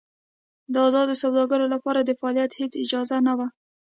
د ازادو سوداګرو لپاره د فعالیت هېڅ اجازه نه وه.